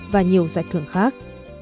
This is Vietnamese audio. và nhiều giải thưởng khác